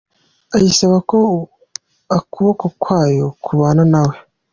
Ayisaba ko ukuboko kwayo kubana na we.